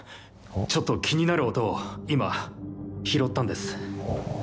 ちょっと気になる音を今拾ったんです。